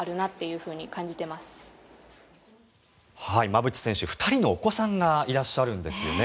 馬淵選手２人のお子さんがいらっしゃるんですよね。